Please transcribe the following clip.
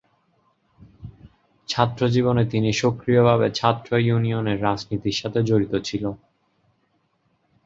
ছাত্রজীবনে তিনি সক্রিয়ভাবে ছাত্র ইউনিয়নের রাজনীতির সাথে জড়িত ছিল।